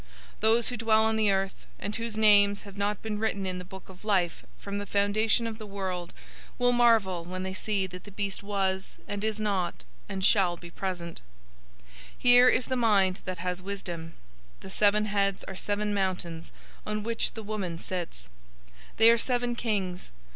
Those who dwell on the earth and whose names have not been written in the book of life from the foundation of the world will marvel when they see that the beast was, and is not, and shall be present.{TR reads "yet is" instead of "shall be present"} 017:009 Here is the mind that has wisdom. The seven heads are seven mountains, on which the woman sits. 017:010 They are seven kings.